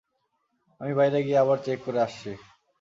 আমি বাইরে গিয়ে আবার চেক করে আসছি।